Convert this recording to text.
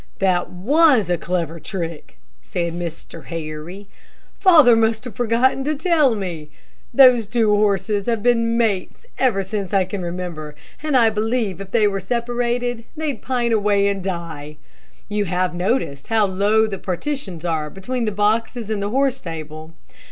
"That was a clever trick," said Mr. Harry. "Father must have forgotten to tell me. Those two horses have been mates ever since I can remember, and I believe if they were separated, they'd pine away and die. You have noticed how low the partitions are between the boxes in the horse stable.